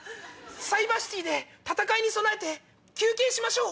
サイバーシティーで戦いに備えて休憩しましょう。